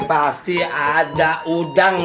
pasti ada udang